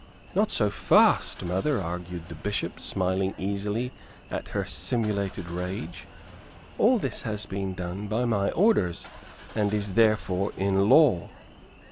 "Not so fast, mother," argued the Bishop, smiling easily at her simulated rage. "All this has been done by my orders, and is therefore in law."